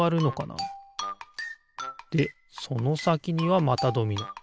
でそのさきにはまたドミノ。